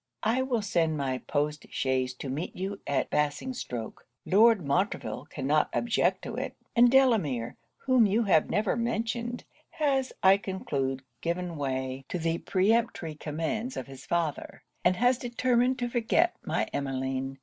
I will send my post chaise to meet you at Basingstoke. Lord Montreville cannot object to it; and Delamere, whom you have never mentioned, has, I conclude, given way to the peremptory commands of his father, and has determined to forget my Emmeline.